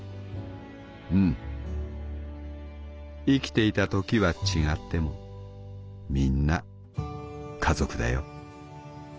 『うん生きていた時は違ってもみんな家族だよ』」。